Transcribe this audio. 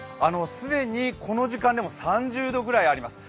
既にこの時間でも３０度ぐらいあります。